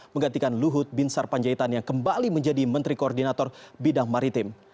menggantikan luhut bin sarpanjaitan yang kembali menjadi menteri koordinator bidang maritim